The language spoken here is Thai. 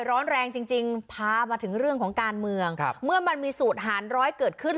ร้อนแรงจริงจริงพามาถึงเรื่องของการเมืองครับเมื่อมันมีสูตรหารร้อยเกิดขึ้น